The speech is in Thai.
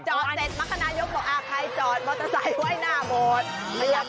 จอดเสร็จมักคณายกบอกอ่าค่ะจอดเบาโต๊ะไซน์ว่ายหน้าบวช